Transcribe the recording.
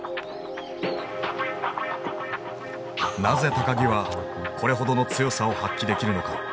なぜ木はこれほどの強さを発揮できるのか。